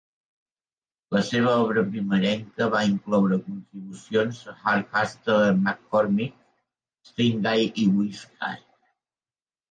La seva obra primerenca va incloure contribucions a "Hardcastle and McCormick", "Stingray" i "Wiseguy".